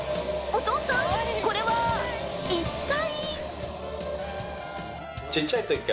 お父さん、これは一体？